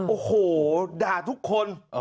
โอ้โหด่าทุกคน